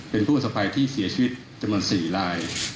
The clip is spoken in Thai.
เป็นผู้สภัยที่เสียชีวิตจำนวนสี่ราย